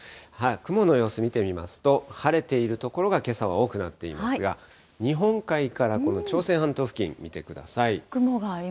雲の様子見てみますと、晴れている所がけさは多くなっていますが、日本海からこの朝鮮半島付近、見てください。